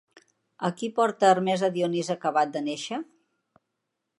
A qui porta Hermes a Dionís acabat de néixer?